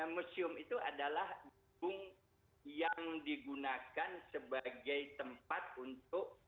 museum itu adalah gedung yang digunakan sebagai tempat untuk